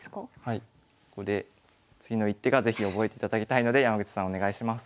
ここで次の一手が是非覚えていただきたいので山口さんお願いします。